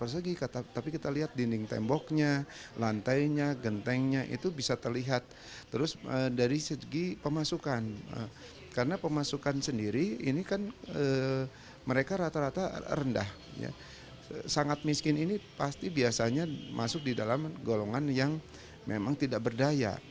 sangat miskin ini pasti biasanya masuk di dalam golongan yang memang tidak berdaya